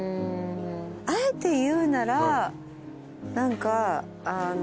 あえて言うなら何かあの。